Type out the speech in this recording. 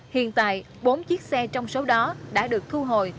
hiện tại bốn chiếc xe trong số đó đã được thu hồi